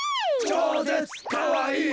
「ちょうぜつかわいい」